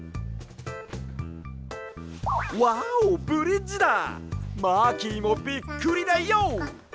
わおブリッジだマーキーもびっくりだよ！